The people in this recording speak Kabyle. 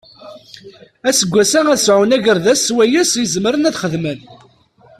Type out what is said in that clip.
Aseggas-a ad sɛun agerdas swayes i zemren ad xedmen.